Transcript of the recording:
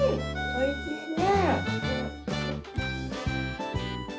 おいしいね。